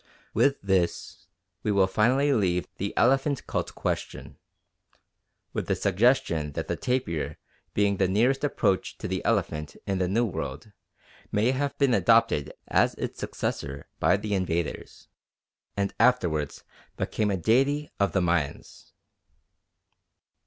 With this, we will finally leave the elephant cult question, with the suggestion that the tapir being the nearest approach to the elephant in the New World, may have been adopted as its successor by the invaders and afterwards became a deity of the Mayans.